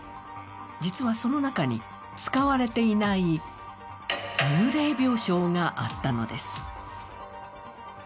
実はその中に使われていない幽霊病床があったのです。